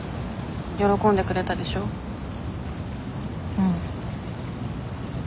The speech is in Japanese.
うん。